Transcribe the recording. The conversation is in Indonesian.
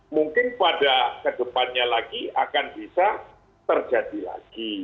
mungkin pada kedepannya lagi akan bisa terjadi lagi